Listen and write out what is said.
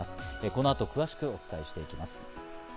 この後、詳しくお伝えしていきます。